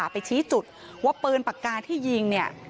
ไปชี้จุดว่าปืนปากกาที่ยิงเนี่ย